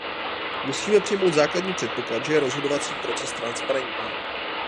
Musíme přijmout základní předpoklad, že je rozhodovací proces transparentní.